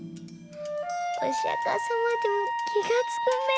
お釈様でも気がつくめえ。